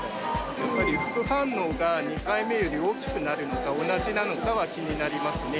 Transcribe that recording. やっぱり副反応が２回目より大きくなるのか、同じなのかは気になりますね。